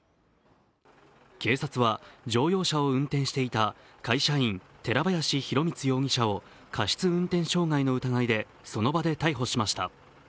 警察は乗用車を運転していた会社員、寺林浩光容疑者を過失運転傷害の疑いでその場で逮捕しました。